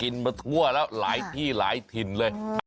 มาทั่วแล้วหลายที่หลายถิ่นเลย